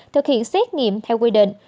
thực hiện xét nghiệm theo quy định